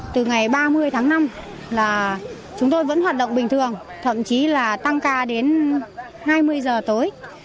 từ ngày ba mươi tháng năm là chúng tôi vẫn hoạt động bình thường thậm chí là tăng ca đến hai mươi giờ tối